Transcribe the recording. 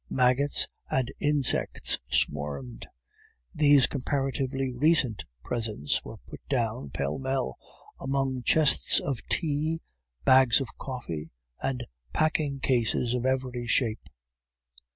Maggots and insects swarmed. These comparatively recent presents were put down, pell mell, among chests of tea, bags of coffee, and packing cases of every shape.